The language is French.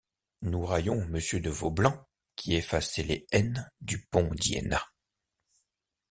Nous raillons Monsieur de Vaublanc qui effaçait les N du pont d’Iéna!